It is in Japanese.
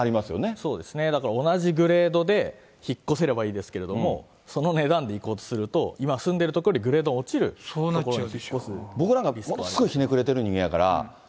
そうですね、だから、同じグレードで引っ越せればいいですけれども、その値段でいこうとすると、今、住んでる所よりグレード僕なんか、ものすごいひねく知ってます。